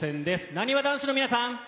なにわ男子の皆さん。